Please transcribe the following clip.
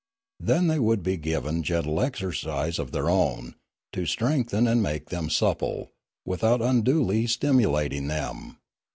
Then they would be given gentle exercise of their own, to strengthen and make them supple, without unduly stimulating them.